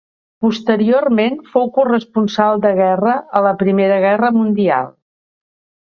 Posteriorment fou corresponsal de guerra a la Primera Guerra Mundial.